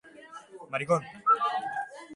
Han dena nahiko azkar joan da.